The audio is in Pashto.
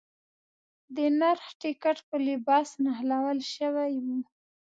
د نرخ ټکټ په لباس نښلول شوی و.